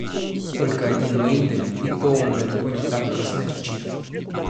Только один Майдель, и то он далеко не так красноречив.